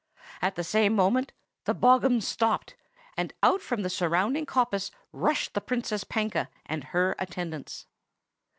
"At the same moment the bogghun stopped; and out from the surrounding coppice rushed the Princess Panka and her attendants.